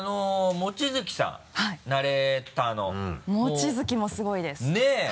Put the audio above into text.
望月もすごいです。ねぇ！